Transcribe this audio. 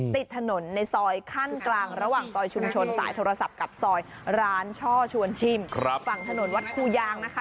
ติดถนนในซอยขั้นกลางระหว่างซอยชุมชนสายโทรศัพท์กับซอยร้านช่อชวนชิมฝั่งถนนวัดคูยางนะคะ